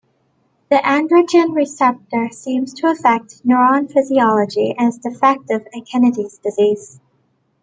The androgen receptor seems to affect neuron physiology and is defective in Kennedy's disease.